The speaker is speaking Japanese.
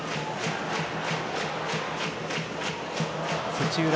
土浦